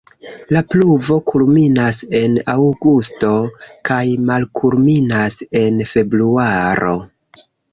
La pluvo kulminas en aŭgusto kaj malkulminas en februaro.